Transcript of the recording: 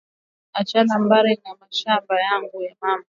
Achana mbari na mashamba yangu na ya mama